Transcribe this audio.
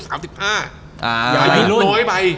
อายุน้อยไปเด็กเกินไป